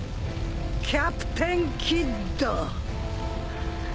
キャプテン・キッド。